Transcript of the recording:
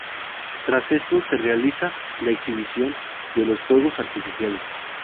Tras esto, se realiza la exhibición de los fuegos artificiales.